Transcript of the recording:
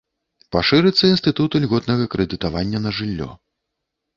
Пашырыцца інстытут льготнага крэдытавання на жыллё.